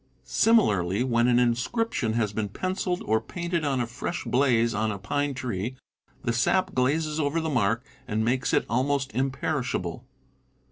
Similarly, when an inscription has been penciled or painted on a fresh 196 CAMPING AND WOODCRAFT blaze on a pine tree, the sap glazes over the mark and makes it almost imperishable.